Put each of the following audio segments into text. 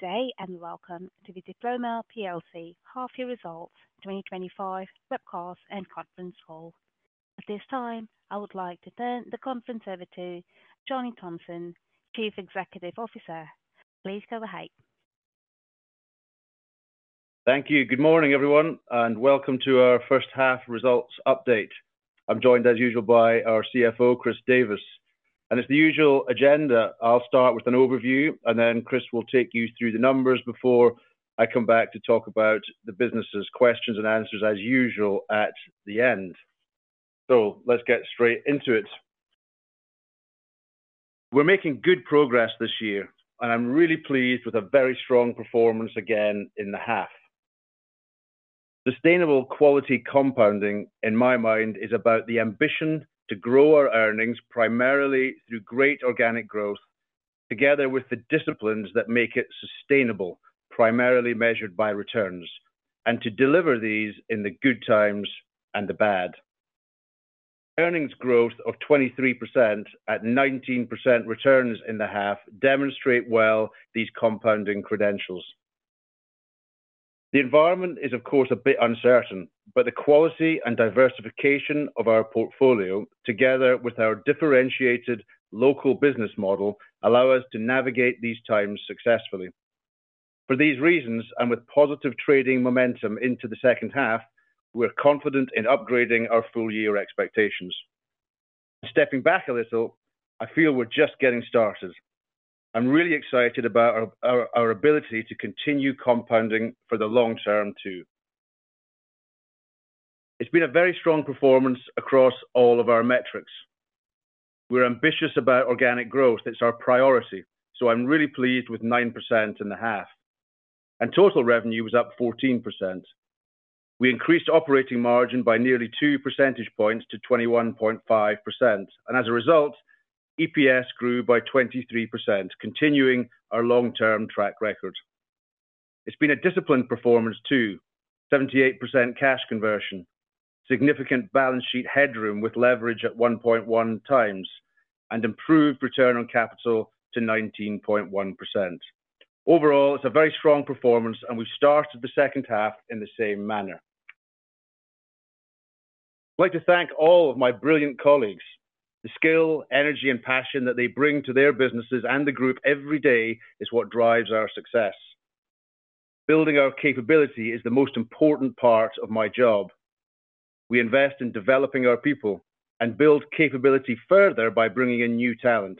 Good day and welcome to the Diploma Half-Year Results 2025 Webcast and Conference Call. At this time, I would like to turn the conference over to Johnny Thomson, Chief Executive Officer. Please go ahead. Thank you. Good morning, everyone, and welcome to our first half results update. I'm joined, as usual, by our CFO, Chris Davies. It is the usual agenda. I'll start with an overview, and then Chris will take you through the numbers before I come back to talk about the business's questions and answers, as usual, at the end. Let's get straight into it. We're making good progress this year, and I'm really pleased with a very strong performance again in the half. Sustainable quality compounding, in my mind, is about the ambition to grow our earnings primarily through great organic growth, together with the disciplines that make it sustainable, primarily measured by returns, and to deliver these in the good times and the bad. Earnings growth of 23% at 19% returns in the half demonstrates well these compounding credentials. The environment is, of course, a bit uncertain, but the quality and diversification of our portfolio, together with our differentiated local business model, allow us to navigate these times successfully. For these reasons, and with positive trading momentum into the second half, we're confident in upgrading our full-year expectations. Stepping back a little, I feel we're just getting started. I'm really excited about our ability to continue compounding for the long term, too. It's been a very strong performance across all of our metrics. We're ambitious about organic growth. It's our priority, so I'm really pleased with 9% in the half. Total revenue was up 14%. We increased operating margin by nearly 2 percentage points to 21.5%. As a result, EPS grew by 23%, continuing our long-term track record. It's been a disciplined performance, too: 78% cash conversion, significant balance sheet headroom with leverage at 1.1 times, and improved return on capital to 19.1%. Overall, it's a very strong performance, and we've started the second half in the same manner. I'd like to thank all of my brilliant colleagues. The skill, energy, and passion that they bring to their businesses and the group every day is what drives our success. Building our capability is the most important part of my job. We invest in developing our people and build capability further by bringing in new talent.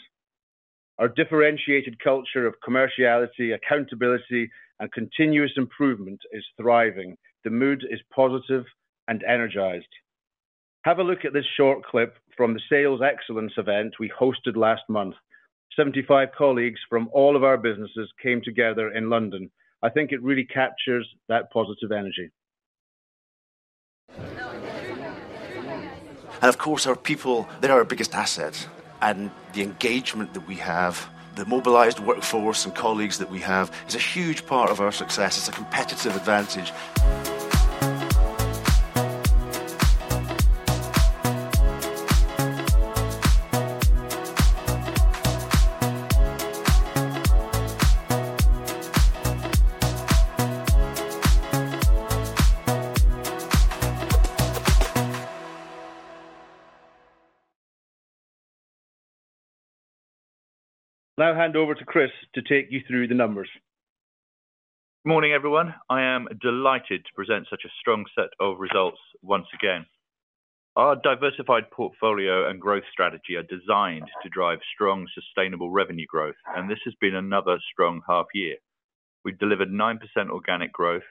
Our differentiated culture of commerciality, accountability, and continuous improvement is thriving. The mood is positive and energized. Have a look at this short clip from the Sales Excellence event we hosted last month. Seventy-five colleagues from all of our businesses came together in London. I think it really captures that positive energy. Our people, they are our biggest asset. The engagement that we have, the mobilized workforce and colleagues that we have, is a huge part of our success. It's a competitive advantage. Now hand over to Chris to take you through the numbers. Good morning, everyone. I am delighted to present such a strong set of results once again. Our diversified portfolio and growth strategy are designed to drive strong, sustainable revenue growth, and this has been another strong half year. We have delivered 9% organic growth,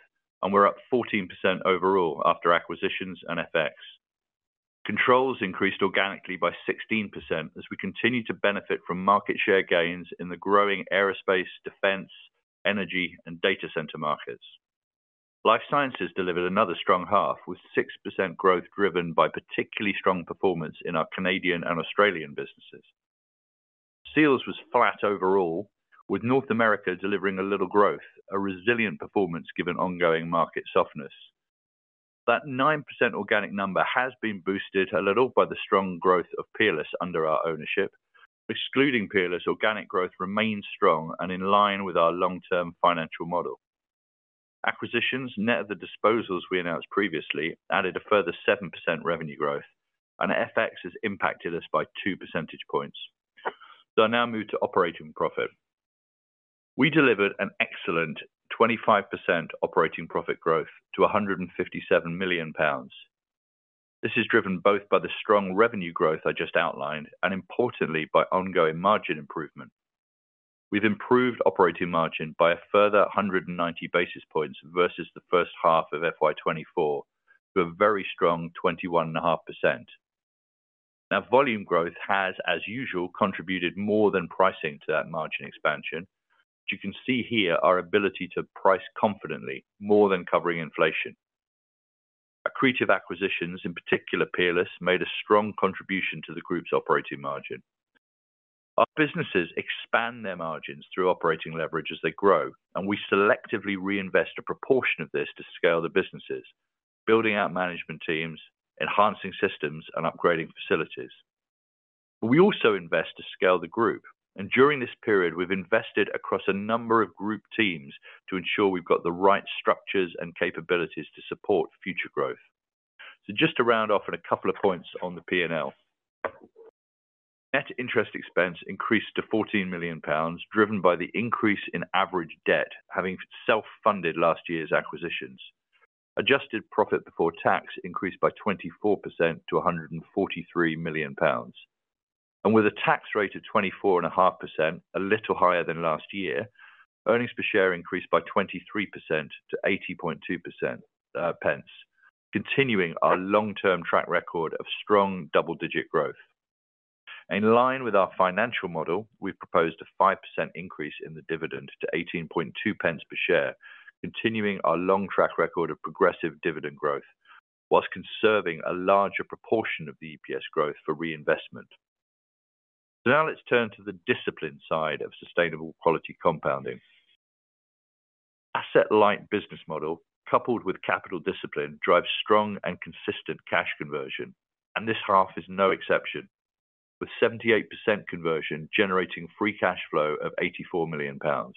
and we are up 14% overall after acquisitions and FX. Controls increased organically by 16% as we continue to benefit from market share gains in the growing aerospace, defense, energy, and data center markets. Life Sciences delivered another strong half with 6% growth driven by particularly strong performance in our Canadian and Australian businesses. Seals was flat overall, with North America delivering a little growth, a resilient performance given ongoing market softness. That 9% organic number has been boosted a little by the strong growth of Peerless under our ownership. Excluding Peerless, organic growth remains strong and in line with our long-term financial model. Acquisitions, net of the disposals we announced previously, added a further 7% revenue growth, and FX has impacted us by 2 percentage points. I now move to operating profit. We delivered an excellent 25% operating profit growth to 157 million pounds. This is driven both by the strong revenue growth I just outlined and, importantly, by ongoing margin improvement. We have improved operating margin by a further 190 basis points versus the first half of 2024 to a very strong 21.5%. Volume growth has, as usual, contributed more than pricing to that margin expansion, which you can see here, our ability to price confidently more than covering inflation. Accretive acquisitions, in particular Peerless, made a strong contribution to the group's operating margin. Our businesses expand their margins through operating leverage as they grow, and we selectively reinvest a proportion of this to scale the businesses, building out management teams, enhancing systems, and upgrading facilities. We also invest to scale the group, and during this period, we have invested across a number of group teams to ensure we have got the right structures and capabilities to support future growth. Just to round off in a couple of points on the P&L, net interest expense increased to 14 million pounds, driven by the increase in average debt having self-funded last year's acquisitions. Adjusted profit before tax increased by 24% to 143 million pounds. With a tax rate of 24.5%, a little higher than last year, earnings per share increased by 23% to 80.2 pence, continuing our long-term track record of strong double-digit growth. In line with our financial model, we've proposed a 5% increase in the dividend to 18.2 pence per share, continuing our long track record of progressive dividend growth, whilst conserving a larger proportion of the EPS growth for reinvestment. Now let's turn to the discipline side of sustainable quality compounding. Asset-light business model, coupled with capital discipline, drives strong and consistent cash conversion, and this half is no exception, with 78% conversion generating free cash flow of 84 million pounds.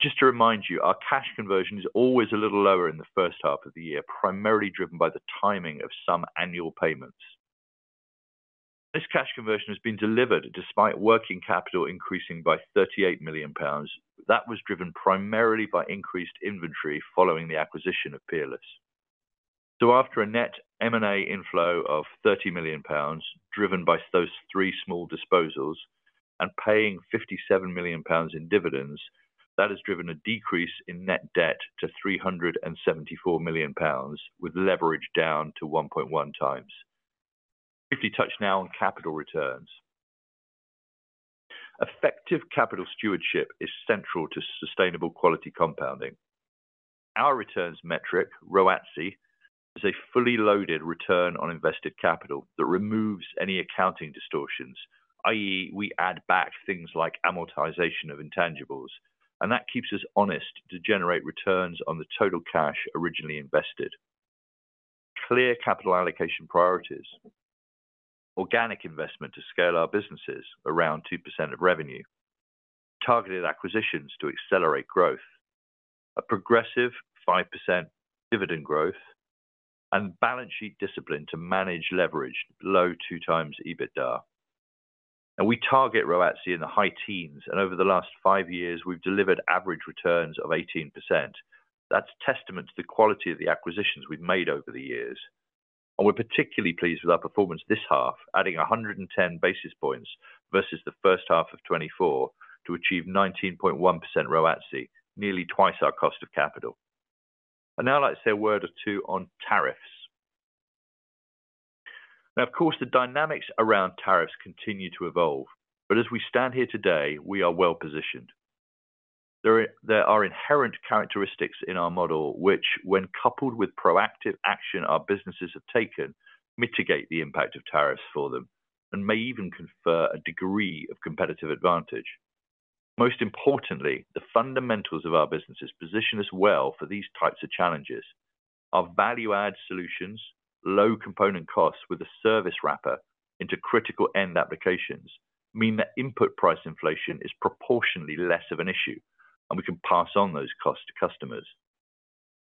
Just to remind you, our cash conversion is always a little lower in the first half of the year, primarily driven by the timing of some annual payments. This cash conversion has been delivered despite working capital increasing by 38 million pounds. That was driven primarily by increased inventory following the acquisition of Peerless. After a net M&A inflow of 30 million pounds, driven by those three small disposals and paying 57 million pounds in dividends, that has driven a decrease in net debt to 374 million pounds, with leverage down to 1.1 times. If we touch now on capital returns, effective capital stewardship is central to sustainable quality compounding. Our returns metric, ROACI, is a fully loaded return on invested capital that removes any accounting distortions, i.e., we add back things like amortization of intangibles, and that keeps us honest to generate returns on the total cash originally invested. Clear capital allocation priorities, organic investment to scale our businesses around 2% of revenue, targeted acquisitions to accelerate growth, a progressive 5% dividend growth, and balance sheet discipline to manage leverage below 2 times EBITDA. We target ROACI in the high teens, and over the last five years, we've delivered average returns of 18%. That's a testament to the quality of the acquisitions we've made over the years. We're particularly pleased with our performance this half, adding 110 basis points versus the first half of 2024 to achieve 19.1% ROACI, nearly twice our cost of capital. I'd now like to say a word or two on tariffs. Of course, the dynamics around tariffs continue to evolve, but as we stand here today, we are well positioned. There are inherent characteristics in our model which, when coupled with proactive action our businesses have taken, mitigate the impact of tariffs for them and may even confer a degree of competitive advantage. Most importantly, the fundamentals of our businesses position us well for these types of challenges. Our value-add solutions, low component costs with a service wrapper into critical end applications, mean that input price inflation is proportionately less of an issue, and we can pass on those costs to customers.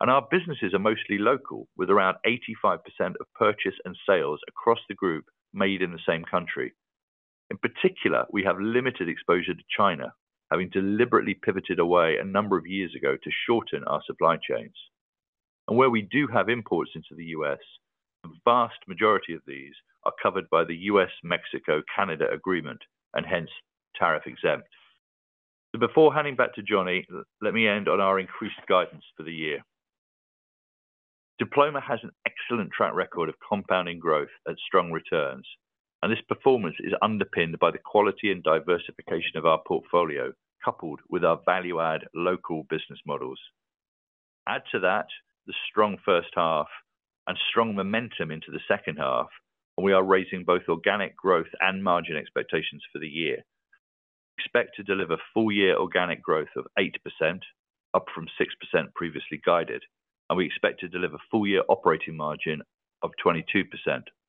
Our businesses are mostly local, with around 85% of purchase and sales across the group made in the same country. In particular, we have limited exposure to China, having deliberately pivoted away a number of years ago to shorten our supply chains. Where we do have imports into the U.S., the vast majority of these are covered by the U.S., Mexico, Canada agreement and hence tariff-exempt. Before handing back to Johnny, let me end on our increased guidance for the year. Diploma has an excellent track record of compounding growth and strong returns, and this performance is underpinned by the quality and diversification of our portfolio, coupled with our value-add local business models. Add to that the strong first half and strong momentum into the second half, we are raising both organic growth and margin expectations for the year. We expect to deliver full-year organic growth of 8%, up from 6% previously guided, and we expect to deliver full-year operating margin of 22%,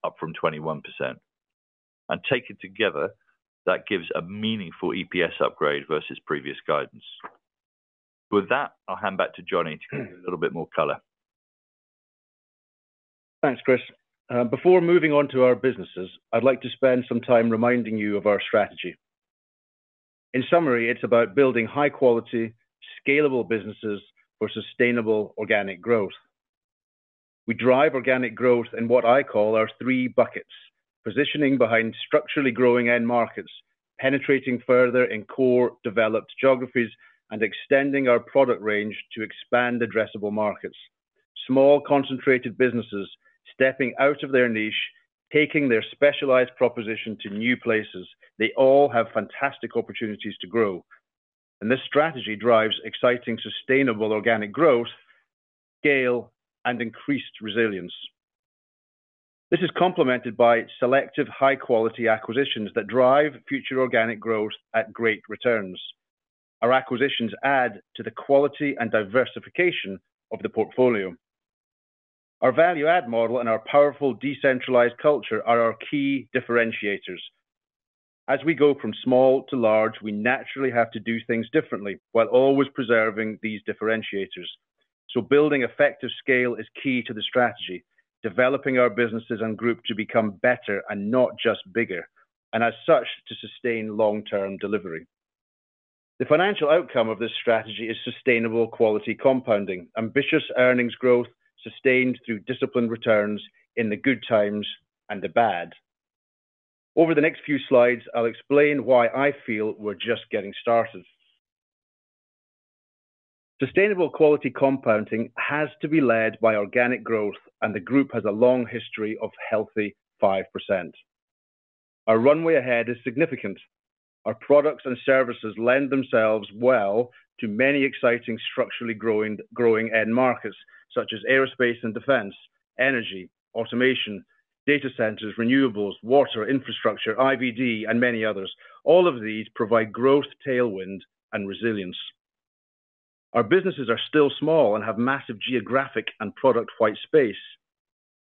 up from 21%. Taken together, that gives a meaningful EPS upgrade versus previous guidance. With that, I'll hand back to Johnny to give you a little bit more color. Thanks, Chris. Before moving on to our businesses, I'd like to spend some time reminding you of our strategy. In summary, it's about building high-quality, scalable businesses for sustainable organic growth. We drive organic growth in what I call our three buckets: positioning behind structurally growing end markets, penetrating further in core developed geographies, and extending our product range to expand addressable markets. Small concentrated businesses stepping out of their niche, taking their specialized proposition to new places. They all have fantastic opportunities to grow. This strategy drives exciting sustainable organic growth, scale, and increased resilience. This is complemented by selective high-quality acquisitions that drive future organic growth at great returns. Our acquisitions add to the quality and diversification of the portfolio. Our value-add model and our powerful decentralized culture are our key differentiators. As we go from small to large, we naturally have to do things differently while always preserving these differentiators. Building effective scale is key to the strategy, developing our businesses and group to become better and not just bigger, and as such to sustain long-term delivery. The financial outcome of this strategy is sustainable quality compounding, ambitious earnings growth sustained through disciplined returns in the good times and the bad. Over the next few slides, I'll explain why I feel we're just getting started. Sustainable quality compounding has to be led by organic growth, and the group has a long history of healthy 5%. Our runway ahead is significant. Our products and services lend themselves well to many exciting structurally growing end markets such as aerospace and defense, energy, automation, data centers, renewables, water, infrastructure, IVD, and many others. All of these provide growth, tailwind, and resilience. Our businesses are still small and have massive geographic and product white space.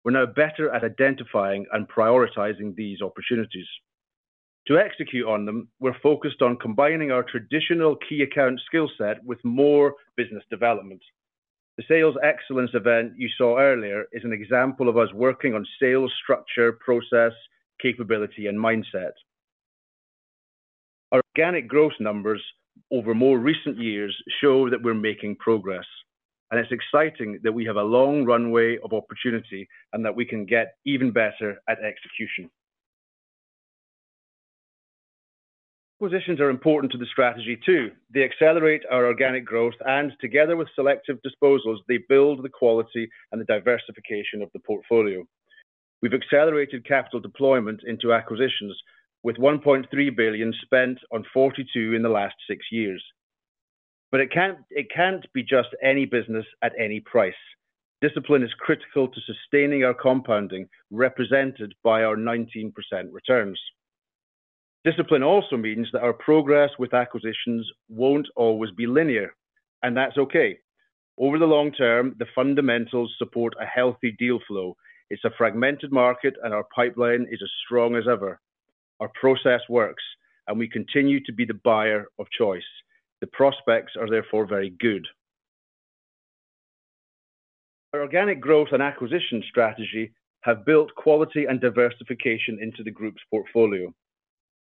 We're now better at identifying and prioritizing these opportunities. To execute on them, we're focused on combining our traditional key account skill set with more business development. The sales excellence event you saw earlier is an example of us working on sales structure, process, capability, and mindset. Our organic growth numbers over more recent years show that we're making progress, and it's exciting that we have a long runway of opportunity and that we can get even better at execution. Acquisitions are important to the strategy too. They accelerate our organic growth, and together with selective disposals, they build the quality and the diversification of the portfolio. We've accelerated capital deployment into acquisitions with 1.3 billion spent on 42 in the last six years. It can't be just any business at any price. Discipline is critical to sustaining our compounding, represented by our 19% returns. Discipline also means that our progress with acquisitions will not always be linear, and that is okay. Over the long term, the fundamentals support a healthy deal flow. It is a fragmented market, and our pipeline is as strong as ever. Our process works, and we continue to be the buyer of choice. The prospects are therefore very good. Our organic growth and acquisition strategy have built quality and diversification into the group's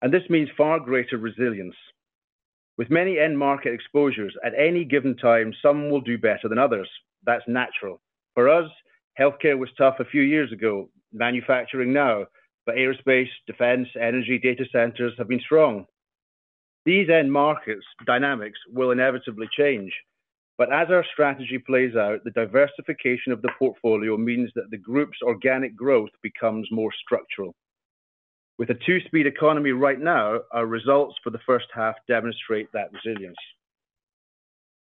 portfolio, and this means far greater resilience. With many end market exposures at any given time, some will do better than others. That is natural. For us, healthcare was tough a few years ago, manufacturing now, but aerospace, defense, energy, data centers have been strong. These end markets' dynamics will inevitably change, but as our strategy plays out, the diversification of the portfolio means that the group's organic growth becomes more structural. With a two-speed economy right now, our results for the first half demonstrate that resilience.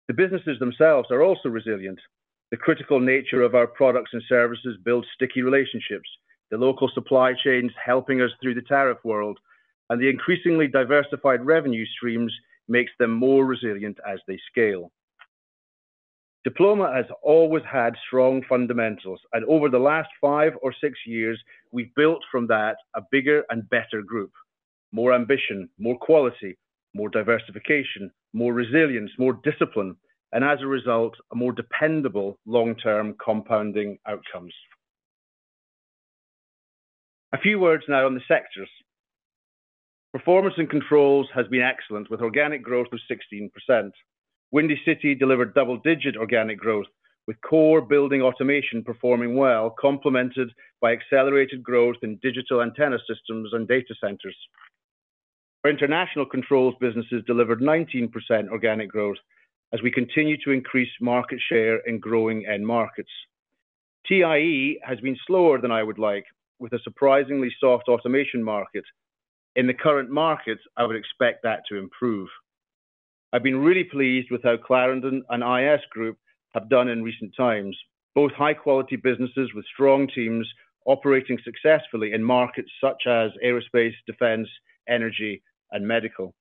The businesses themselves are also resilient. The critical nature of our products and services builds sticky relationships. The local supply chains helping us through the tariff world and the increasingly diversified revenue streams makes them more resilient as they scale. Diploma has always had strong fundamentals, and over the last five or six years, we've built from that a bigger and better group, more ambition, more quality, more diversification, more resilience, more discipline, and as a result, more dependable long-term compounding outcomes. A few words now on the sectors. Performance and controls has been excellent with organic growth of 16%. Windy City delivered double-digit organic growth with core building automation performing well, complemented by accelerated growth in digital antenna systems and data centers. Our international controls businesses delivered 19% organic growth as we continue to increase market share in growing end markets. TIE has been slower than I would like with a surprisingly soft automation market. In the current markets, I would expect that to improve. I've been really pleased with how Clarendon and IS Group have done in recent times, both high-quality businesses with strong teams operating successfully in markets such as aerospace, defense, energy, and medical.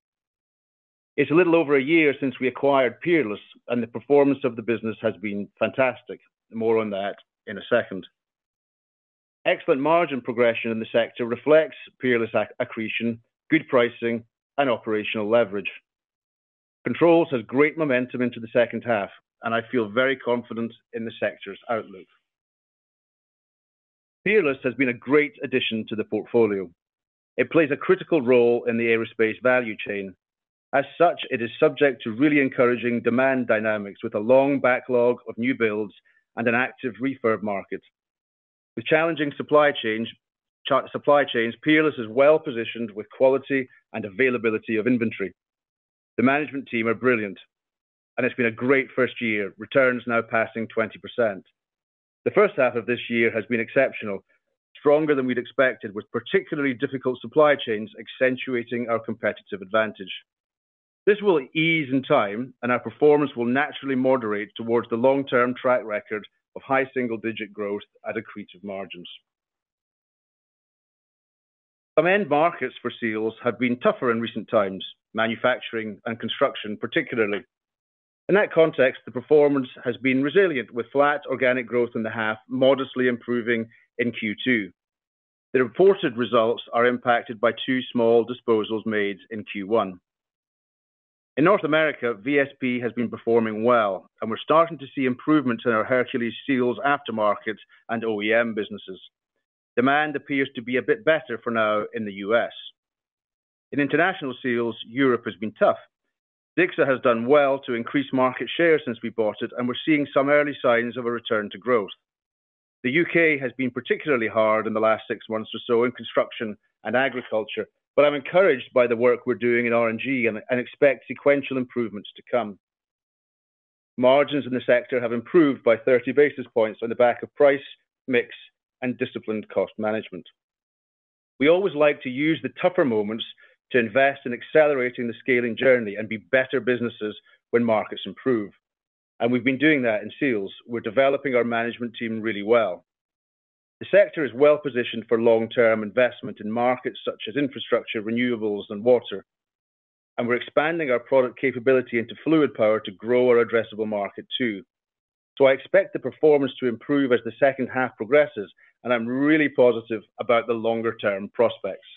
It's a little over a year since we acquired Peerless, and the performance of the business has been fantastic. More on that in a second. Excellent margin progression in the sector reflects Peerless accretion, good pricing, and operational leverage. Controls has great momentum into the second half, and I feel very confident in the sector's outlook. Peerless has been a great addition to the portfolio. It plays a critical role in the aerospace value chain. As such, it is subject to really encouraging demand dynamics with a long backlog of new builds and an active refer market. With challenging supply chains, Peerless is well positioned with quality and availability of inventory. The management team are brilliant, and it's been a great first year, returns now passing 20%. The first half of this year has been exceptional, stronger than we'd expected, with particularly difficult supply chains accentuating our competitive advantage. This will ease in time, and our performance will naturally moderate towards the long-term track record of high single-digit growth at accretive margins. Some end markets for seals have been tougher in recent times, manufacturing and construction particularly. In that context, the performance has been resilient with flat organic growth in the half, modestly improving in Q2. The reported results are impacted by two small disposals made in Q1. In North America, VSP has been performing well, and we're starting to see improvements in our Hercules seals aftermarket and OEM businesses. Demand appears to be a bit better for now in the U.S. In international seals, Europe has been tough. DICSA has done well to increase market share since we bought it, and we're seeing some early signs of a return to growth. The U.K. has been particularly hard in the last six months or so in construction and agriculture, but I'm encouraged by the work we're doing in R&G and expect sequential improvements to come. Margins in the sector have improved by 30 basis points on the back of price mix and disciplined cost management. We always like to use the tougher moments to invest in accelerating the scaling journey and be better businesses when markets improve. We have been doing that in seals. We are developing our management team really well. The sector is well-positioned for long-term investment in markets such as infrastructure, renewables, and water. We are expanding our product capability into fluid power to grow our addressable market too. I expect the performance to improve as the second half progresses, and I am really positive about the longer-term prospects.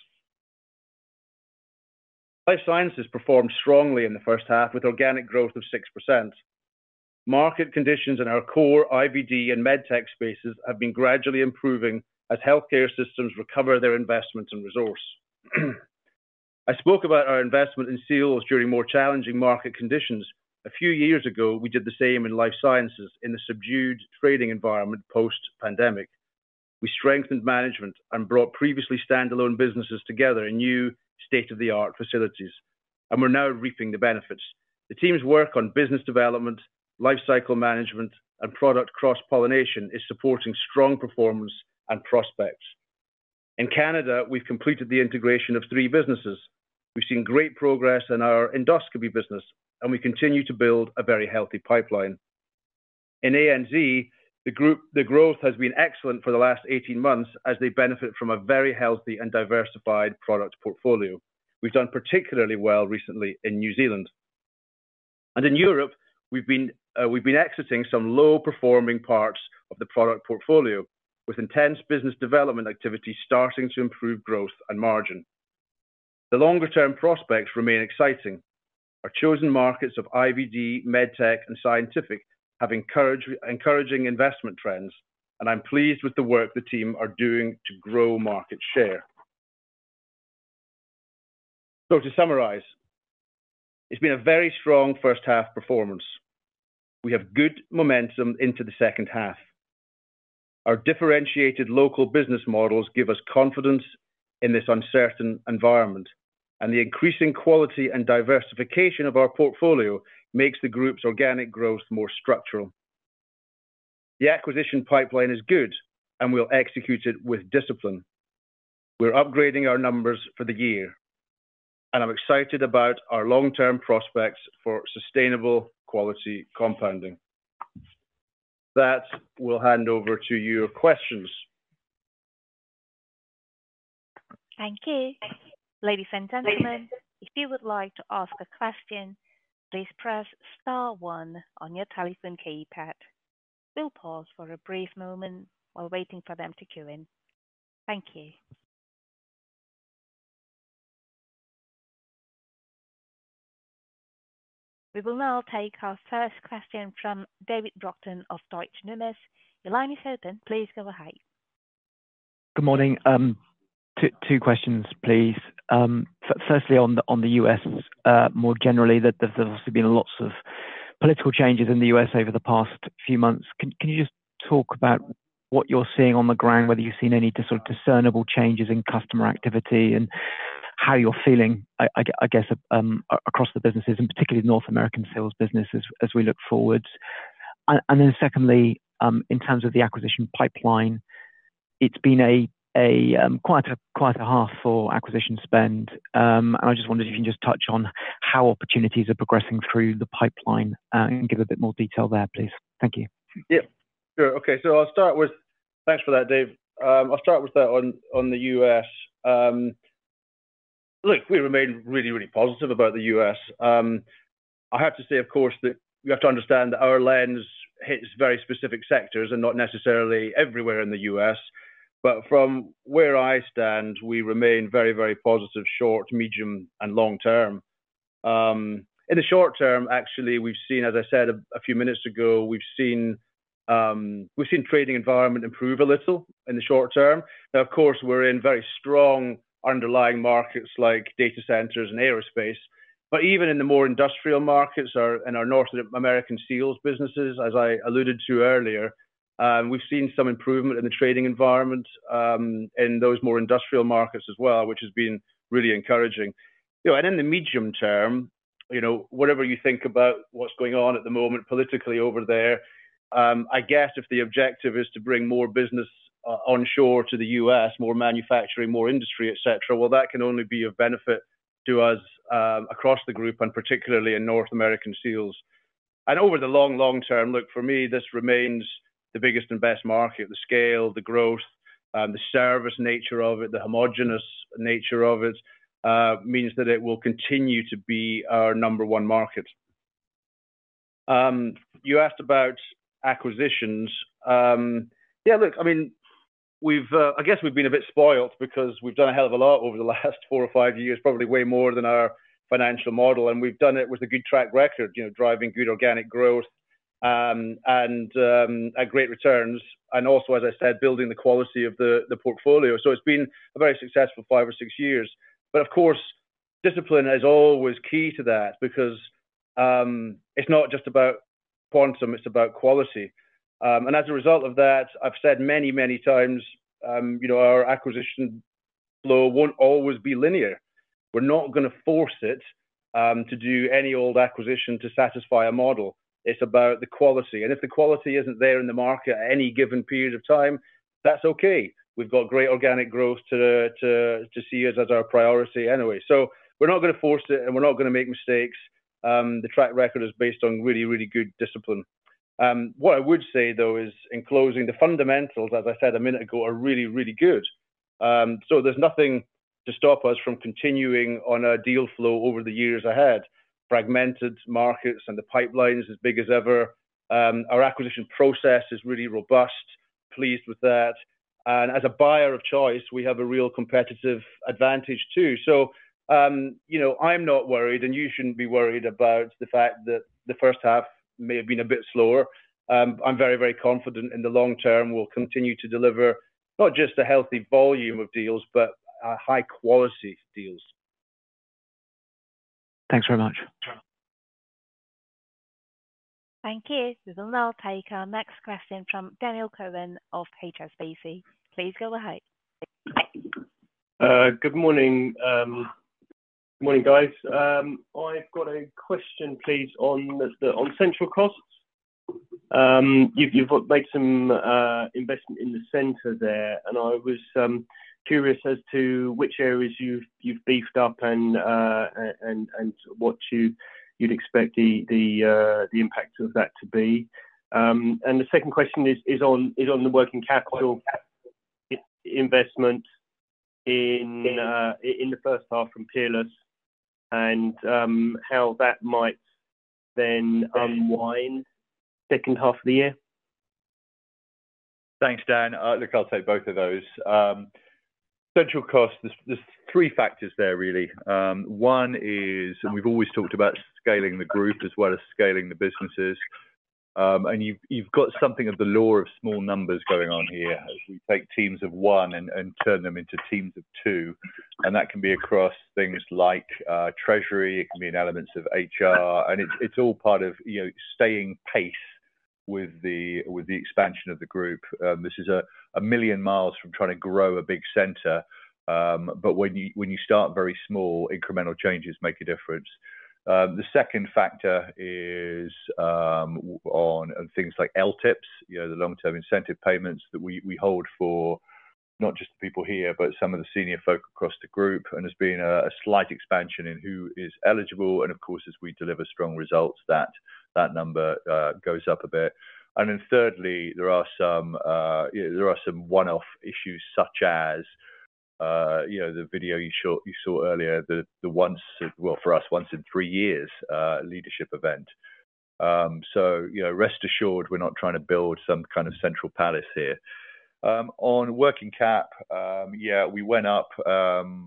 Life sciences performed strongly in the first half with organic growth of 6%. Market conditions in our core IVD and med tech spaces have been gradually improving as healthcare systems recover their investments and resource. I spoke about our investment in seals during more challenging market conditions. A few years ago, we did the same in life sciences in the subdued trading environment post-pandemic. We strengthened management and brought previously standalone businesses together in new state-of-the-art facilities, and we're now reaping the benefits. The team's work on business development, life cycle management, and product cross-pollination is supporting strong performance and prospects. In Canada, we've completed the integration of three businesses. We've seen great progress in our endoscopy business, and we continue to build a very healthy pipeline. In ANZ, the group, the growth has been excellent for the last 18 months as they benefit from a very healthy and diversified product portfolio. We've done particularly well recently in New Zealand. In Europe, we've been exiting some low-performing parts of the product portfolio with intense business development activity starting to improve growth and margin. The longer-term prospects remain exciting. Our chosen markets of IVD, med tech, and scientific have encouraged encouraging investment trends, and I'm pleased with the work the team are doing to grow market share. To summarize, it's been a very strong first half performance. We have good momentum into the second half. Our differentiated local business models give us confidence in this uncertain environment, and the increasing quality and diversification of our portfolio makes the group's organic growth more structural. The acquisition pipeline is good, and we'll execute it with discipline. We're upgrading our numbers for the year, and I'm excited about our long-term prospects for sustainable quality compounding. That will hand over to your questions. Thank you. Ladies and gentlemen, if you would like to ask a question, please press star one on your telephone keypad. We will pause for a brief moment while waiting for them to queue in. Thank you. We will now take our first question from David Brockton of Deutsche Numis. Your line is open. Please go ahead. Good morning. Two questions, please. Firstly, on the U.S. more generally, there has obviously been lots of political changes in the U.S. over the past few months. Can you just talk about what you are seeing on the ground, whether you have seen any sort of discernible changes in customer activity and how you are feeling, I guess, across the businesses and particularly the North American seals businesses as we look forward? Secondly, in terms of the acquisition pipeline, it has been quite a half for acquisition spend. I just wondered if you can just touch on how opportunities are progressing through the pipeline and give a bit more detail there, please. Thank you. Yeah. Sure. Okay. So I'll start with thanks for that, Dave. I'll start with that on the U.S. Look, we remain really, really positive about the U.S. I have to say, of course, that you have to understand that our lens hits very specific sectors and not necessarily everywhere in the U.S. From where I stand, we remain very, very positive short, medium, and long term. In the short term, actually, we've seen, as I said a few minutes ago, we've seen trading environment improve a little in the short term. Now, of course, we're in very strong underlying markets like data centers and aerospace. Even in the more industrial markets and our North American seals businesses, as I alluded to earlier, we've seen some improvement in the trading environment in those more industrial markets as well, which has been really encouraging. In the medium term, whatever you think about what's going on at the moment politically over there, I guess if the objective is to bring more business onshore to the U.S., more manufacturing, more industry, etc., that can only be of benefit to us across the group and particularly in North American seals. Over the long, long term, look, for me, this remains the biggest and best market. The scale, the growth, the service nature of it, the homogenous nature of it means that it will continue to be our number one market. You asked about acquisitions. Yeah, look, I mean, I guess we've been a bit spoiled because we've done a hell of a lot over the last four or five years, probably way more than our financial model. We've done it with a good track record, driving good organic growth and great returns. Also, as I said, building the quality of the portfolio. It has been a very successful five or six years. Of course, discipline is always key to that because it is not just about quantum, it is about quality. As a result of that, I have said many, many times, our acquisition flow will not always be linear. We are not going to force it to do any old acquisition to satisfy a model. It is about the quality. If the quality is not there in the market at any given period of time, that is okay. We have great organic growth to see as our priority anyway. We are not going to force it, and we are not going to make mistakes. The track record is based on really, really good discipline. What I would say, though, is in closing, the fundamentals, as I said a minute ago, are really, really good. There's nothing to stop us from continuing on our deal flow over the years ahead. Fragmented markets and the pipeline is as big as ever. Our acquisition process is really robust. Pleased with that. As a buyer of choice, we have a real competitive advantage too. I'm not worried, and you shouldn't be worried about the fact that the first half may have been a bit slower. I'm very, very confident in the long term, we'll continue to deliver not just a healthy volume of deals, but high-quality deals. Thanks very much. Thank you. We will now take our next question from Daniel Cowan of HSBC. Please go ahead. Good morning. Good morning, guys. I've got a question, please, on central costs. You've made some investment in the center there, and I was curious as to which areas you've beefed up and what you'd expect the impact of that to be. The second question is on the working capital investment in the first half from Peerless and how that might then unwind second half of the year. Thanks, Dan. Look, I'll take both of those. Central costs, there's three factors there, really. One is, and we've always talked about scaling the group as well as scaling the businesses. You've got something of the law of small numbers going on here. We take teams of one and turn them into teams of two. That can be across things like treasury. It can be in elements of HR. It's all part of staying pace with the expansion of the group. This is a million miles from trying to grow a big center. When you start very small, incremental changes make a difference. The second factor is on things like LTIPs, the long-term incentive payments that we hold for not just the people here, but some of the senior folk across the group. There's been a slight expansion in who is eligible. Of course, as we deliver strong results, that number goes up a bit. Thirdly, there are some one-off issues such as the video you saw earlier, the once, well, for us, once in three years leadership event. Rest assured, we're not trying to build some kind of central palace here. On working cap, yeah, we went up in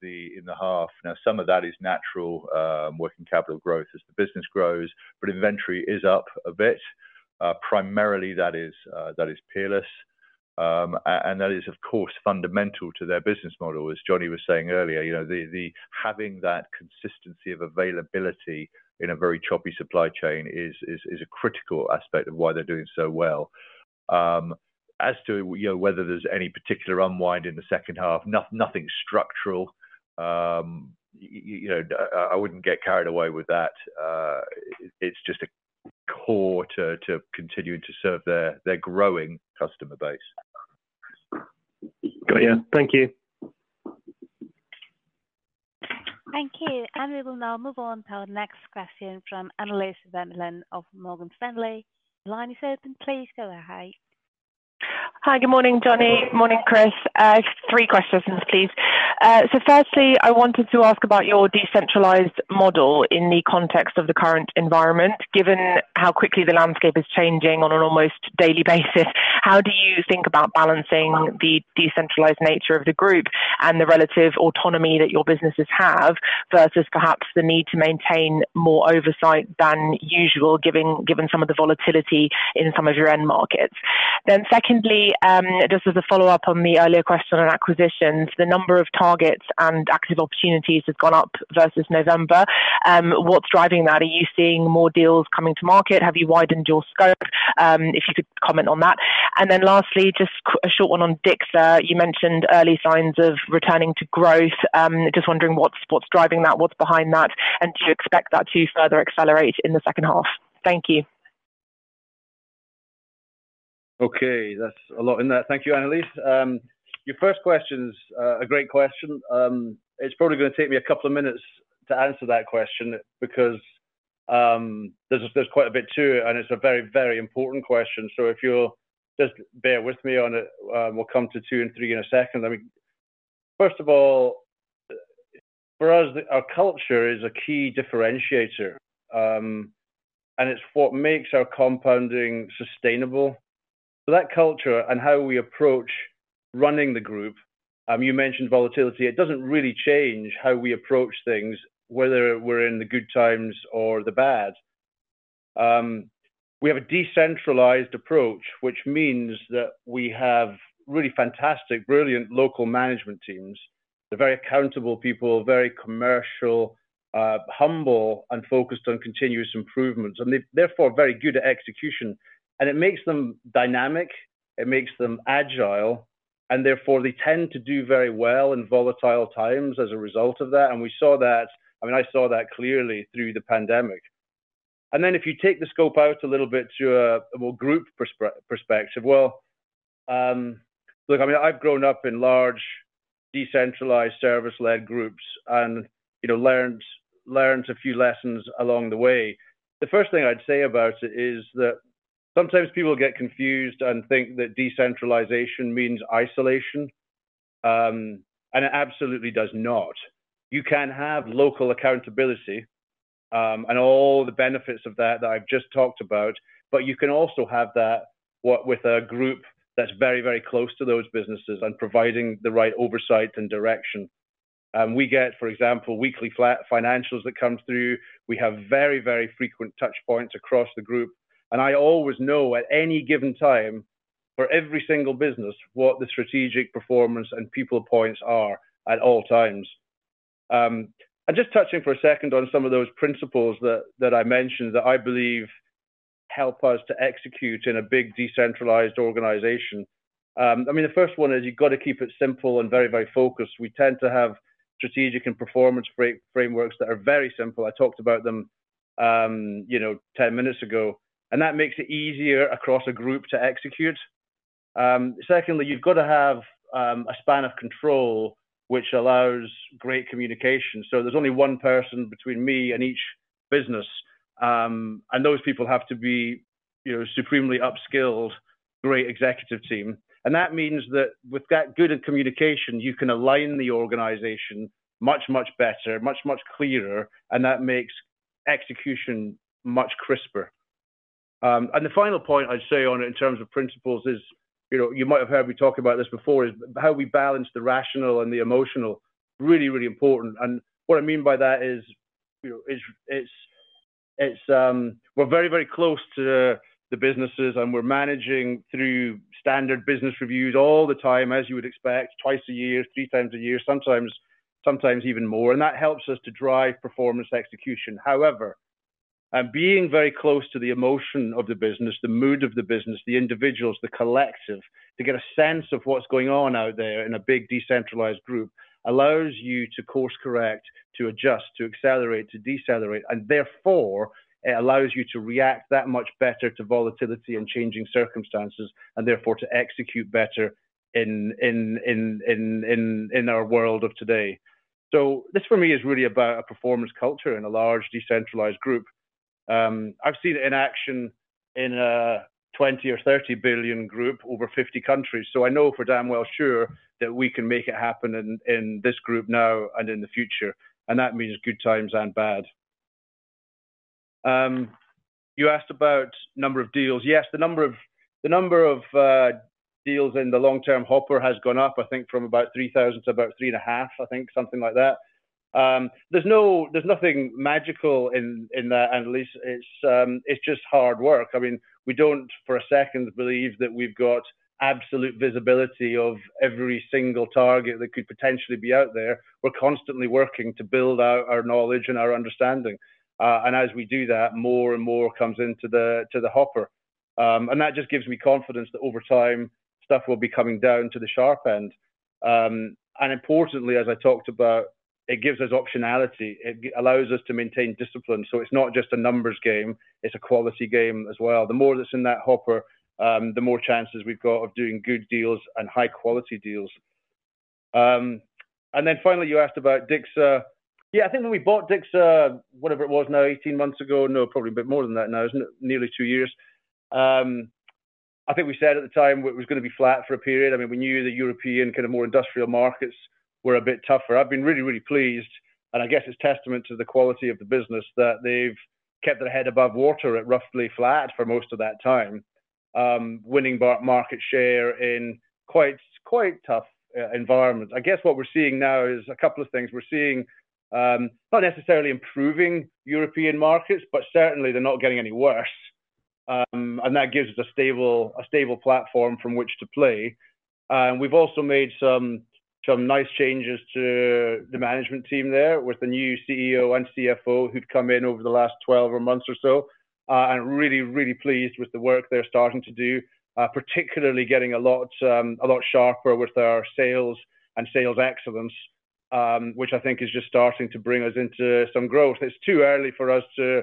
the half. Some of that is natural working capital growth as the business grows, but inventory is up a bit. Primarily, that is Peerless. That is, of course, fundamental to their business model, as Johnny was saying earlier. Having that consistency of availability in a very choppy supply chain is a critical aspect of why they're doing so well. As to whether there's any particular unwind in the second half, nothing structural. I wouldn't get carried away with that. It's just a core to continue to serve their growing customer base. Got you. Thank you. Thank you. We will now move on to our next question from Annelies Vermeulen of Morgan Stanley. Line is open. Please go ahead. Hi, good morning, Johnny. Good morning, Chris. Three questions, please. Firstly, I wanted to ask about your decentralized model in the context of the current environment. Given how quickly the landscape is changing on an almost daily basis, how do you think about balancing the decentralized nature of the group and the relative autonomy that your businesses have versus perhaps the need to maintain more oversight than usual, given some of the volatility in some of your end markets? Secondly, just as a follow-up on the earlier question on acquisitions, the number of targets and active opportunities has gone up versus November. What's driving that? Are you seeing more deals coming to market? Have you widened your scope? If you could comment on that. Lastly, just a short one on DICSA. You mentioned early signs of returning to growth. Just wondering what's driving that, what's behind that, and do you expect that to further accelerate in the second half? Thank you. Okay. That's a lot in there. Thank you, Annelies. Your first question is a great question. It's probably going to take me a couple of minutes to answer that question because there's quite a bit to it, and it's a very, very important question. If you'll just bear with me on it, we'll come to two and three in a second. First of all, for us, our culture is a key differentiator, and it's what makes our compounding sustainable. That culture and how we approach running the group, you mentioned volatility. It doesn't really change how we approach things, whether we're in the good times or the bad. We have a decentralized approach, which means that we have really fantastic, brilliant local management teams. They're very accountable people, very commercial, humble, and focused on continuous improvements, and therefore very good at execution. It makes them dynamic. It makes them agile, and therefore they tend to do very well in volatile times as a result of that. I mean, I saw that clearly through the pandemic. If you take the scope out a little bit to a more group perspective, look, I mean, I've grown up in large decentralized service-led groups and learned a few lessons along the way. The first thing I'd say about it is that sometimes people get confused and think that decentralization means isolation, and it absolutely does not. You can have local accountability and all the benefits of that that I've just talked about, but you can also have that with a group that's very, very close to those businesses and providing the right oversight and direction. We get, for example, weekly financials that come through. We have very, very frequent touchpoints across the group. I always know at any given time for every single business what the strategic performance and people points are at all times. Just touching for a second on some of those principles that I mentioned that I believe help us to execute in a big decentralized organization. I mean, the first one is you have got to keep it simple and very, very focused. We tend to have strategic and performance frameworks that are very simple. I talked about them 10 minutes ago, and that makes it easier across a group to execute. Secondly, you have got to have a span of control which allows great communication. There is only one person between me and each business, and those people have to be supremely upskilled, great executive team. That means that with that good communication, you can align the organization much, much better, much, much clearer, and that makes execution much crisper. The final point I'd say on it in terms of principles is you might have heard me talk about this before, is how we balance the rational and the emotional. Really, really important. What I mean by that is we're very, very close to the businesses, and we're managing through standard business reviews all the time, as you would expect, twice a year, three times a year, sometimes even more. That helps us to drive performance execution. However, being very close to the emotion of the business, the mood of the business, the individuals, the collective, to get a sense of what's going on out there in a big decentralized group allows you to course correct, to adjust, to accelerate, to decelerate. Therefore, it allows you to react that much better to volatility and changing circumstances and therefore to execute better in our world of today. This, for me, is really about a performance culture in a large decentralized group. I've seen it in action in a 20 or 30 billion group over 50 countries. I know for damn well sure that we can make it happen in this group now and in the future. That means good times and bad. You asked about number of deals. Yes, the number of deals in the long-term hopper has gone up, I think, from about 3,000 to about 3 and a half, I think, something like that. There is nothing magical in that, Annelise. It's just hard work. I mean, we do not for a second believe that we have got absolute visibility of every single target that could potentially be out there. We're constantly working to build out our knowledge and our understanding. As we do that, more and more comes into the hopper. That just gives me confidence that over time, stuff will be coming down to the sharp end. Importantly, as I talked about, it gives us optionality. It allows us to maintain discipline. It is not just a numbers game. It is a quality game as well. The more that is in that hopper, the more chances we have of doing good deals and high-quality deals. Finally, you asked about DCSA. I think when we bought DCSA, whatever it was now, 18 months ago, no, probably a bit more than that now, nearly two years, I think we said at the time it was going to be flat for a period. I mean, we knew the European kind of more industrial markets were a bit tougher. I've been really, really pleased. I guess it's testament to the quality of the business that they've kept their head above water at roughly flat for most of that time, winning market share in quite tough environments. I guess what we're seeing now is a couple of things. We're seeing not necessarily improving European markets, but certainly they're not getting any worse. That gives us a stable platform from which to play. We've also made some nice changes to the management team there with the new CEO and CFO who've come in over the last 12 or months or so. Really, really pleased with the work they're starting to do, particularly getting a lot sharper with our sales and sales excellence, which I think is just starting to bring us into some growth. It's too early for us to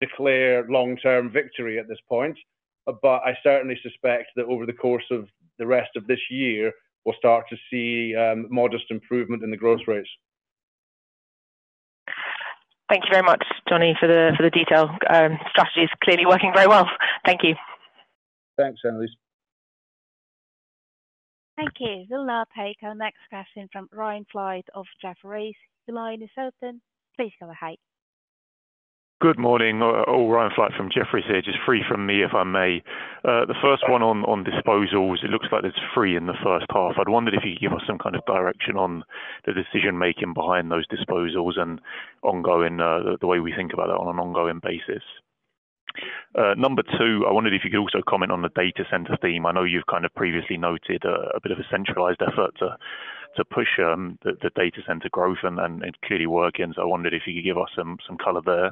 declare long-term victory at this point, but I certainly suspect that over the course of the rest of this year, we'll start to see modest improvement in the growth rates. Thank you very much, Johnny, for the detail. Strategy is clearly working very well. Thank you. Thanks, Annelies. Thank you. We'll now take our next question from Ryan Flight of Jefferies. The line is open. Please go ahead. Good morning. Oh, Ryan Flight from Jefferies here. Just three from me, if I may. The first one on disposals, it looks like it is three in the first half. I wondered if you could give us some kind of direction on the decision-making behind those disposals and the way we think about that on an ongoing basis. Number two, I wondered if you could also comment on the data center theme. I know you have kind of previously noted a bit of a centralized effort to push the data center growth, and it is clearly working. I wondered if you could give us some color there.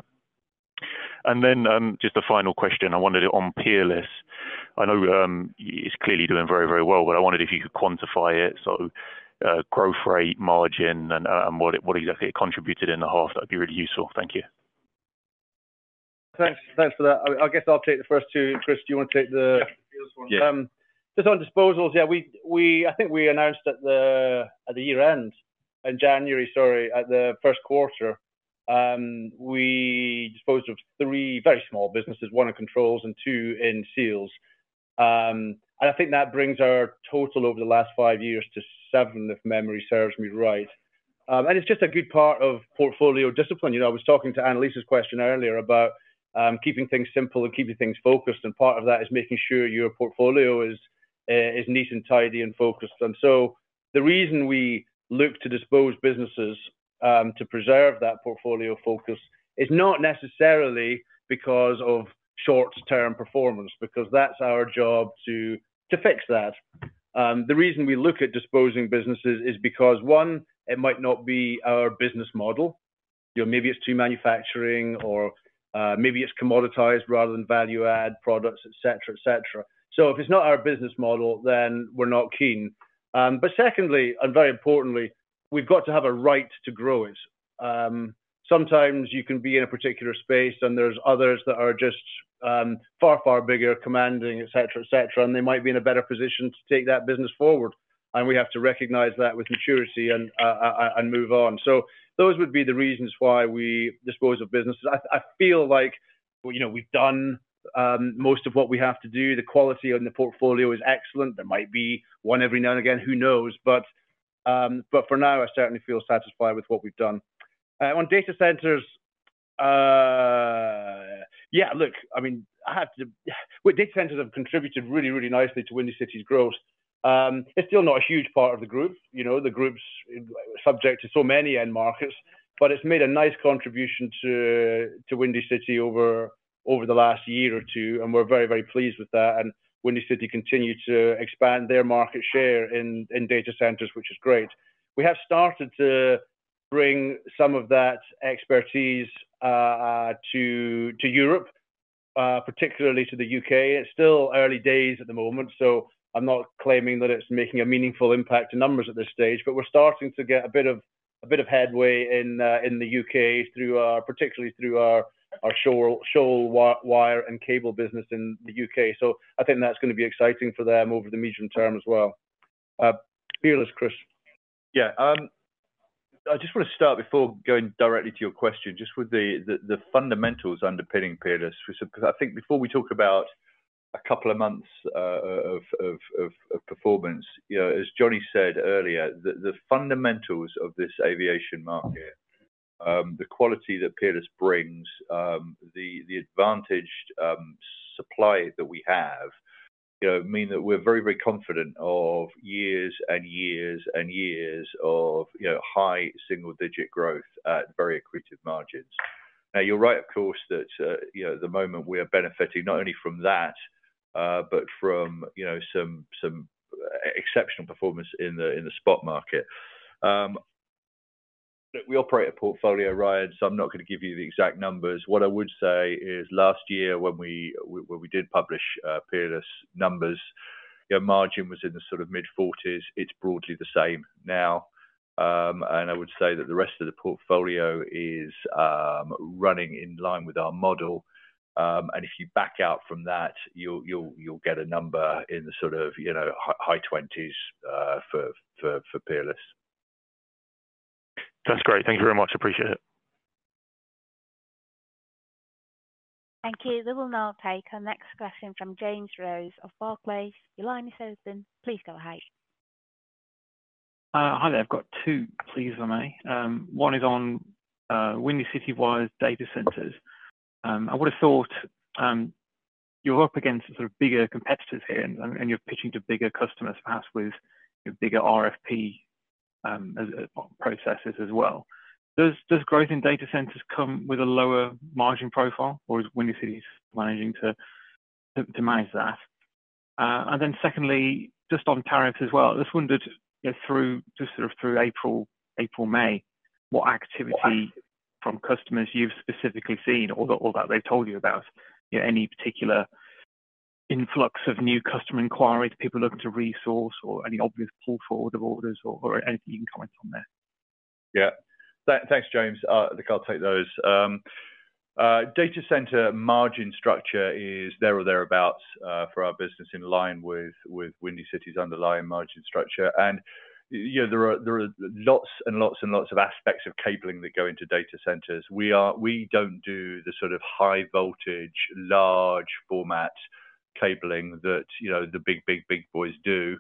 And then just a final question. I wondered on Peerless. I know it is clearly doing very, very well, but I wondered if you could quantify it. So growth rate, margin, and what exactly it contributed in the half. That would be really useful. Thank you. Thanks. Thanks for that. I guess I'll take the first two. Chris, do you want to take the first one? Yeah. Just on disposals, yeah, I think we announced at the year-end, in January, sorry, at the first quarter, we disposed of three very small businesses, one in controls and two in seals. I think that brings our total over the last five years to seven, if memory serves me right. It is just a good part of portfolio discipline. I was talking to Annelise's question earlier about keeping things simple and keeping things focused. Part of that is making sure your portfolio is neat and tidy and focused. The reason we look to dispose businesses to preserve that portfolio focus is not necessarily because of short-term performance, because that is our job to fix that. The reason we look at disposing businesses is because, one, it might not be our business model. Maybe it is too manufacturing, or maybe it is commoditized rather than value-add products, etc., etc. If it's not our business model, then we're not keen. Secondly, and very importantly, we've got to have a right to grow it. Sometimes you can be in a particular space, and there's others that are just far, far bigger, commanding, etc., etc., and they might be in a better position to take that business forward. We have to recognize that with maturity and move on. Those would be the reasons why we dispose of businesses. I feel like we've done most of what we have to do. The quality on the portfolio is excellent. There might be one every now and again. Who knows? For now, I certainly feel satisfied with what we've done. On data centers, yeah, look, I mean, with data centers, they've contributed really, really nicely to Windy City's growth. It's still not a huge part of the group. The group's subject to so many end markets, but it's made a nice contribution to Windy City over the last year or two, and we're very, very pleased with that. Windy City continues to expand their market share in data centers, which is great. We have started to bring some of that expertise to Europe, particularly to the U.K. It's still early days at the moment, so I'm not claiming that it's making a meaningful impact to numbers at this stage, but we're starting to get a bit of headway in the U.K., particularly through our Shoreline wire and cable business in the U.K. I think that's going to be exciting for them over the medium term as well. Peerless, Chris. Yeah. I just want to start before going directly to your question, just with the fundamentals underpinning Peerless. I think before we talk about a couple of months of performance, as Johnny said earlier, the fundamentals of this aviation market, the quality that Peerless brings, the advantaged supply that we have mean that we're very, very confident of years and years and years of high single-digit growth at very accretive margins. Now, you're right, of course, that at the moment, we are benefiting not only from that, but from some exceptional performance in the spot market. We operate a portfolio, Ryan, so I'm not going to give you the exact numbers. What I would say is last year, when we did publish Peerless numbers, margin was in the sort of mid-40s. It's broadly the same now. I would say that the rest of the portfolio is running in line with our model. If you back out from that, you'll get a number in the high 20s for Peerless. That's great. Thank you very much. Appreciate it. Thank you. We will now take our next question from James Rose of Barclays. The line is open. Please go ahead. Hi. I've got two pleas if I may. One is on Windy City-wide data centers. I would have thought you're up against sort of bigger competitors here, and you're pitching to bigger customers, perhaps with bigger RFP processes as well. Does growth in data centers come with a lower margin profile, or is Windy City managing to manage that? Secondly, just on tariffs as well, I just wondered through sort of April, May, what activity from customers you've specifically seen or that they've told you about? Any particular influx of new customer inquiries, people looking to resource, or any obvious pull forward of orders, or anything you can comment on there? Yeah. Thanks, James. I'll take those. Data center margin structure is there or thereabouts for our business in line with Windy City's underlying margin structure. There are lots and lots of aspects of cabling that go into data centers. We do not do the sort of high-voltage, large-format cabling that the big, big boys do.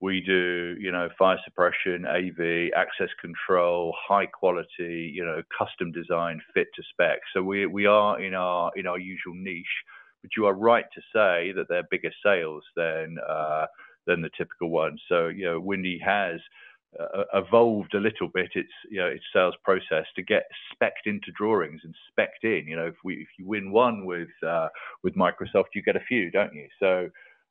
We do fire suppression, AV, access control, high-quality custom-designed fit to spec. We are in our usual niche, but you are right to say that they are bigger sales than the typical one. Windy has evolved a little bit its sales process to get specced into drawings and specced in. If you win one with Microsoft, you get a few, do you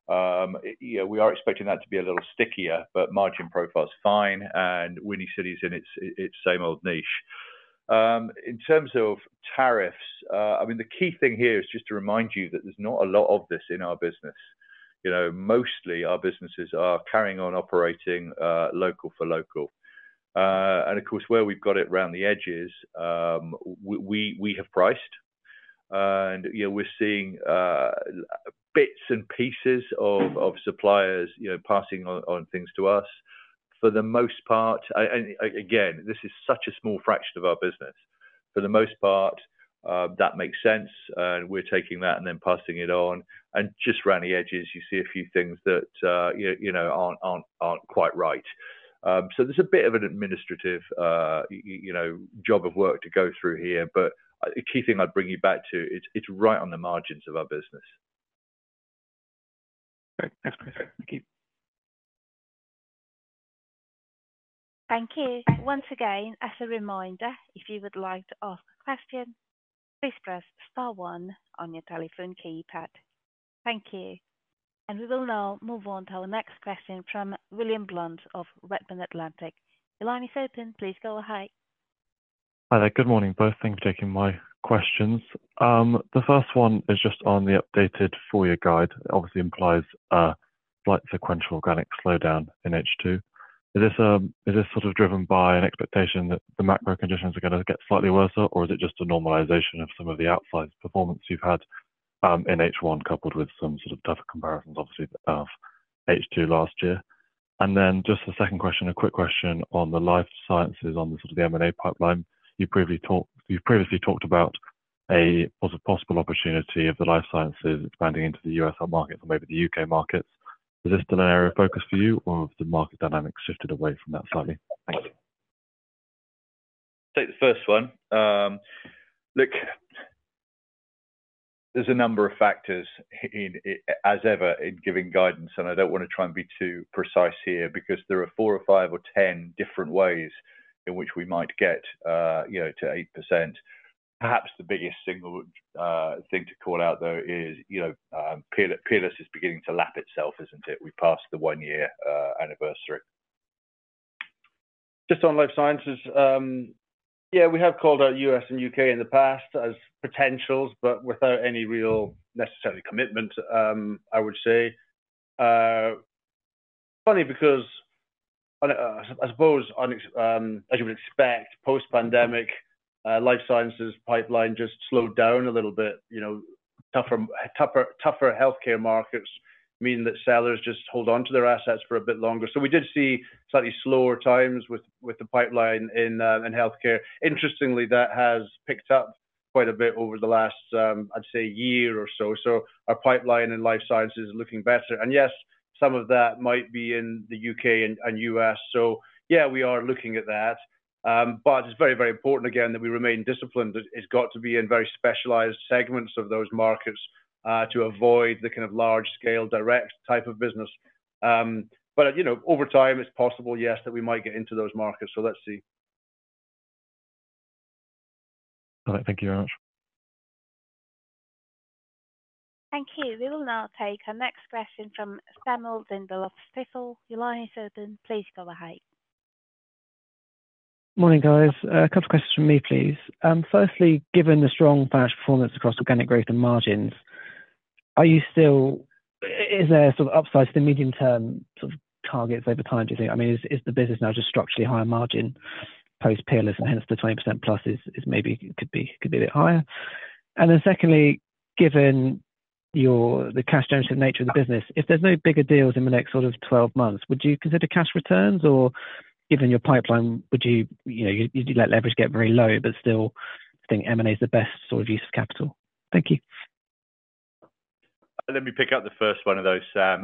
not? We are expecting that to be a little stickier, but margin profile is fine, and Windy City's in its same old niche. In terms of tariffs, I mean, the key thing here is just to remind you that there's not a lot of this in our business. Mostly, our businesses are carrying on operating local for local. Of course, where we've got it around the edges, we have priced. We're seeing bits and pieces of suppliers passing on things to us. For the most part, and again, this is such a small fraction of our business. For the most part, that makes sense, and we're taking that and then passing it on. Just around the edges, you see a few things that aren't quite right. There is a bit of an administrative job of work to go through here, but the key thing I'd bring you back to, it's right on the margins of our business. Great. Thanks, Chris. Thank you. Thank you. Once again, as a reminder, if you would like to ask a question, please press star one on your telephone keypad. Thank you. We will now move on to our next question from William Blunt of Redburn Atlantic. The line is open. Please go ahead. Hi. Good morning, both. Thank you for taking my questions. The first one is just on the updated four-year guide. It obviously implies a slight sequential organic slowdown in H2. Is this sort of driven by an expectation that the macro conditions are going to get slightly worse, or is it just a normalization of some of the outsized performance you've had in H1, coupled with some sort of tougher comparisons, obviously, of H2 last year? The second question, a quick question on the life sciences on sort of the M&A pipeline. You've previously talked about a possible opportunity of the life sciences expanding into the U.S. markets or maybe the U.K. markets. Is this still an area of focus for you, or have the market dynamics shifted away from that slightly? Thank you. I'll take the first one. Look, there's a number of factors, as ever, in giving guidance, and I don't want to try and be too precise here because there are 4 or 5 or 10 different ways in which we might get to 8%. Perhaps the biggest single thing to call out, though, is Peerless is beginning to lap itself, isn't it? We've passed the one-year anniversary. Just on life sciences, yeah, we have called out U.S. and U.K. in the past as potentials, but without any real necessary commitment, I would say. Funny because, I suppose, as you would expect, post-pandemic, life sciences pipeline just slowed down a little bit. Tougher healthcare markets mean that sellers just hold on to their assets for a bit longer. So we did see slightly slower times with the pipeline in healthcare. Interestingly, that has picked up quite a bit over the last, I'd say, year or so. Our pipeline in life sciences is looking better. Yes, some of that might be in the U.K. and U.S. We are looking at that. It is very, very important, again, that we remain disciplined. It has to be in very specialized segments of those markets to avoid the kind of large-scale direct type of business. Over time, it is possible, yes, that we might get into those markets. Let's see. All right. Thank you very much. Thank you. We will now take our next question from Samuel Dindol of Stifel. The line is open. Please go ahead. Morning, guys. A couple of questions from me, please. Firstly, given the strong financial performance across organic growth and margins, is there sort of upside to the medium-term sort of targets over time, do you think? I mean, is the business now just structurally higher margin post-Peerless, and hence the 20% plus maybe could be a bit higher? Secondly, given the cash-generative nature of the business, if there are no bigger deals in the next 12 months, would you consider cash returns? Or given your pipeline, would you let leverage get very low, but still think M&A is the best sort of use of capital? Thank you. Let me pick up the first one of those.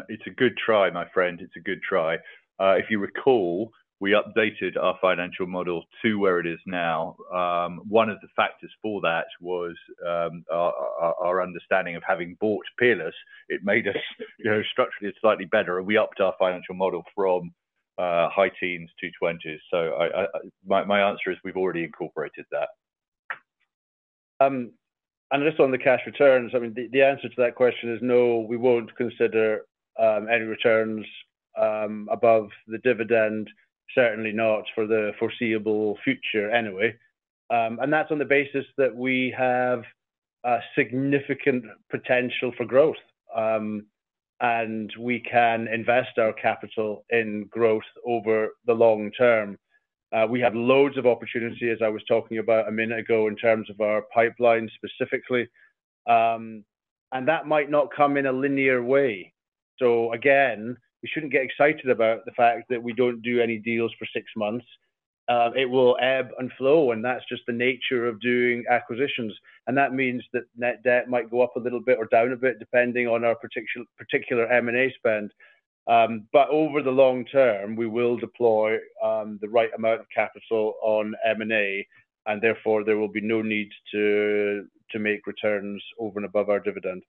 It's a good try, my friend. It's a good try. If you recall, we updated our financial model to where it is now. One of the factors for that was our understanding of having bought Peerless. It made us structurally slightly better, and we upped our financial model from high teens to 20s. My answer is we've already incorporated that. Just on the cash returns, I mean, the answer to that question is no, we won't consider any returns above the dividend, certainly not for the foreseeable future anyway. That's on the basis that we have significant potential for growth, and we can invest our capital in growth over the long term. We have loads of opportunity, as I was talking about a minute ago, in terms of our pipeline specifically. That might not come in a linear way. Again, we shouldn't get excited about the fact that we don't do any deals for six months. It will ebb and flow, and that's just the nature of doing acquisitions. That means that net debt might go up a little bit or down a bit, depending on our particular M&A spend. Over the long term, we will deploy the right amount of capital on M&A, and therefore, there will be no need to make returns over and above our dividend.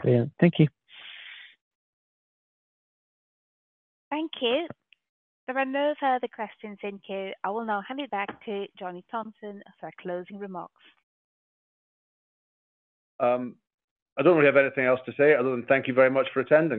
Brilliant. Thank you. Thank you. There are no further questions in here. I will now hand it back to Johnny Thomson for closing remarks. I don't really have anything else to say other than thank you very much for attending.